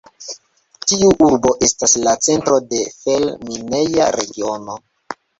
Tiu urbo estas la centro de fer-mineja regiono.